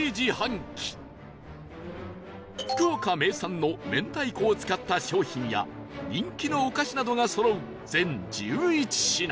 福岡名産の明太子を使った商品や人気のお菓子などがそろう全１１品